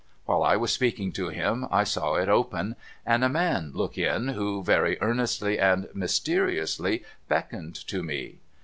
While I was speaking to him, I saw it open, and a man look in, who very earnestly and mysteriously beckoned to me.